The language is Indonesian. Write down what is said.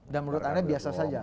dan menurut anda biasa saja